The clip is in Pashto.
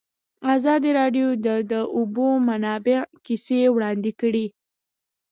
ازادي راډیو د د اوبو منابع کیسې وړاندې کړي.